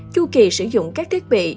chu kỳ sử dụng các thiết bị